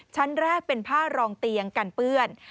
ชั้นแรกเป็นผ้ารองเตียงกันเปื้อน